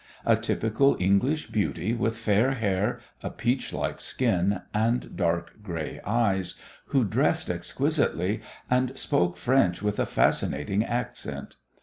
A typical English beauty with fair hair, a peach like skin and dark grey eyes, who dressed exquisitely, and spoke French with a fascinating accent.